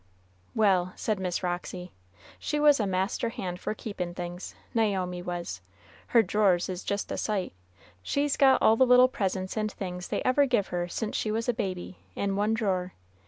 "Well," said Miss Roxy, "she was a master hand for keepin' things, Naomi was; her drawers is just a sight; she's got all the little presents and things they ever give her since she was a baby, in one drawer.